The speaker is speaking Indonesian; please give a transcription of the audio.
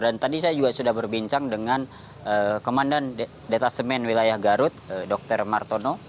dan tadi saya juga sudah berbincang dengan kementerian datasemen wilayah garut dr martono